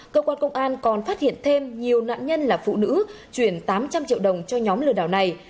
cơ quan công an còn phát hiện thêm nhiều nạn nhân là phụ nữ chuyển tám trăm linh triệu đồng cho nhóm lừa đảo này